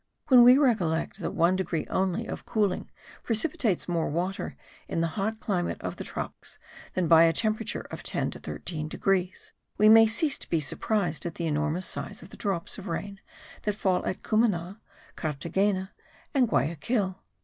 When we recollect that one degree only of cooling precipitates more water in the hot climate of the tropics, than by a temperature of 10 to 13 degrees, we may cease to be surprised at the enormous size of the drops of rain that fall at Cumana, Carthagena and Guayaquil.)